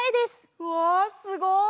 うわすごい！